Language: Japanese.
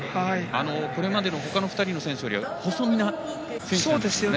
これまでのほかの２人の選手より細身な選手なんですね。